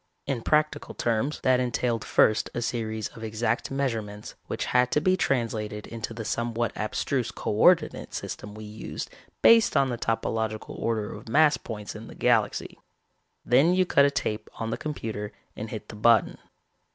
In practical terms, that entailed first a series of exact measurements which had to be translated into the somewhat abstruse co ordinate system we used based on the topological order of mass points in the galaxy. Then you cut a tape on the computer and hit the button.